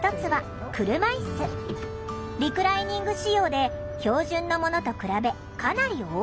リクライニング仕様で標準のものと比べかなり大きい。